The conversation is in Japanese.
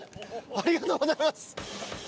ありがとうございます！